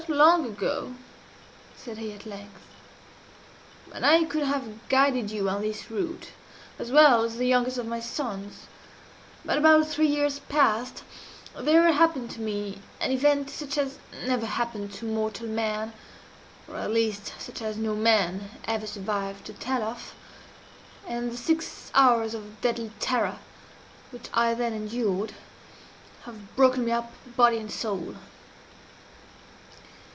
"Not long ago," said he at length, "and I could have guided you on this route as well as the youngest of my sons; but, about three years past, there happened to me an event such as never happened before to mortal man or at least such as no man ever survived to tell of and the six hours of deadly terror which I then endured have broken me up body and soul.